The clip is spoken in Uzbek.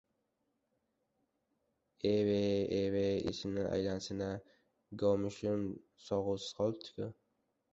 Eb-ey-eb-ey, esimdan aylanayin-da, govmishim sog‘uvsiz qolibdi-ku...